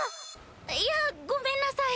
いやごめんなさい。